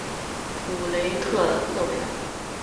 普雷特勒维尔。